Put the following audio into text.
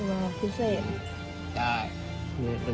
อันสารพิเศษ